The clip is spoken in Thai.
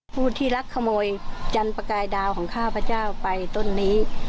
ผู้ที่รักขโมยจันประกายดาวของข้าพเจ้าไปต้นนี้